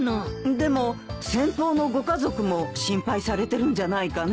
でも先方のご家族も心配されてるんじゃないかね？